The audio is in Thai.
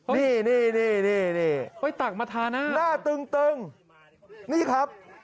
นี่นี่นี่นี่นี่โอ๊ยตักมาทาหน้าหน้าตึงนี่ครับ